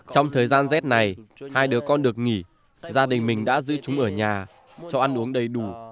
trong thời gian rét này hai đứa con được nghỉ gia đình mình đã giữ chúng ở nhà cho ăn uống đầy đủ